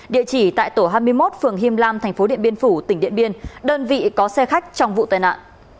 địa chỉ tại tổ hai mươi một phường hiêm lam thành phố điện biên phủ tỉnh điện biên đơn vị có xe khách trong vụ tai nạn